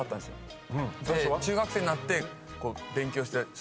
で中学生になって勉強して。